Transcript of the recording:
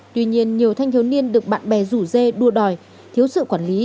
tuy nhiên nhiều thanh thiếu niên được bạn bè rủ dê đua đòi thiếu sự quản lý